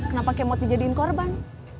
kenapa kemot dijadiin korban